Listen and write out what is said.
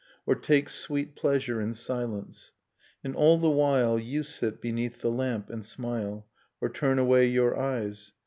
Or takes sweet pleasure in silence. And all the while You sit beneath the lamp, and smile, Or turn away your eyes.